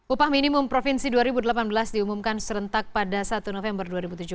upah minimum provinsi dua ribu delapan belas diumumkan serentak pada satu november dua ribu tujuh belas